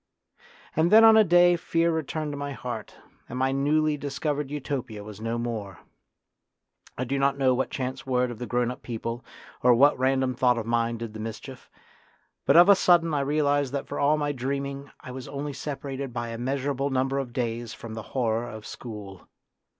And then on a day fear returned to my heart, and my newly discovered Utopia was no more. I do not know what chance word of the grown up people or what random thought of mine did the mischief; but of a sudden I realised that for all my dreaming I was only separated by a measurable number of days from the horror of school.